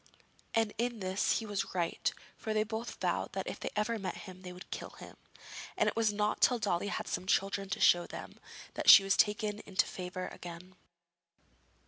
And in this he was right, for they both vowed that if they ever met him they would kill him; and it was not till Dolly had some children to show them, that she was taken into favour again.